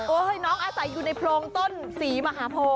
น้องอาศัยอยู่ในโพรงต้นศรีมหาโพ